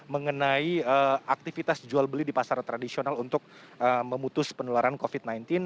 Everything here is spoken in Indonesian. mengenai aktivitas jual beli di pasar tradisional untuk memutus penularan covid sembilan belas